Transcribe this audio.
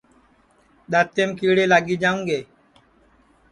دؔتیم کیڑے لاگی جاوں گے